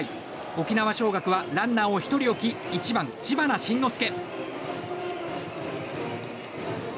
沖縄尚学はランナーを１人置き１番、知花慎之助。